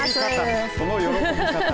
その喜び方。